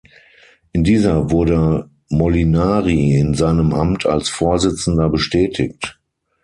In dieser wurde Molinari in seinem Amt als Vorsitzender bestätigt.